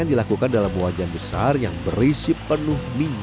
kacang kedelai naiknya kan nggak bisa diprediksi